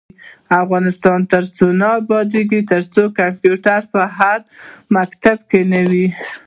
افغانستان تر هغو نه ابادیږي، ترڅو کمپیوټر په هر مکتب کې نه وي.